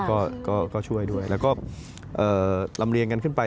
ก็ช่วยด้วยแล้วก็ลำเลียงกันขึ้นไป